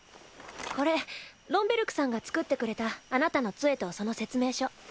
これロン・ベルクさんが作ってくれたあなたの杖とその説明書。